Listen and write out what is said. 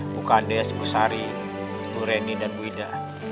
bukande sibu sari bu reni dan bu ida